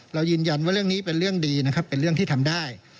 เรายืนยันว่าเรื่องนี้เป็นเรื่องดีนะครับเป็นเรื่องที่ทำได้